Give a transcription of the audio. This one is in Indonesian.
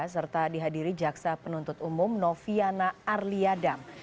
serta dihadiri jaksa penuntut umum noviana arliadam